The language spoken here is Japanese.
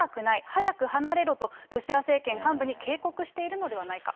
早く離れろと、ロシア政権幹部に警告しているのではないか。